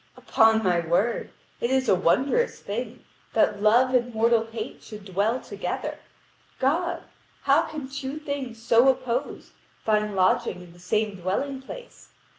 Upon my word, it is a wondrous thing, that Love and mortal Hate should dwell together. God! How can two things so opposed find lodging in the same dwelling place?